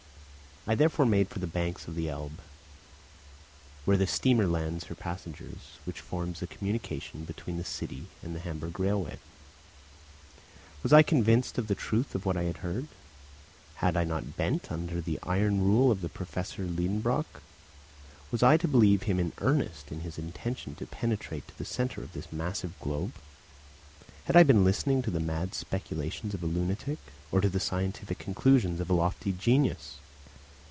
I therefore made for the banks of the Elbe, where the steamer lands her passengers, which forms the communication between the city and the Hamburg railway. Was I convinced of the truth of what I had heard? Had I not bent under the iron rule of the Professor Liedenbrock? Was I to believe him in earnest in his intention to penetrate to the centre of this massive globe? Had I been listening to the mad speculations of a lunatic, or to the scientific conclusions of a lofty genius?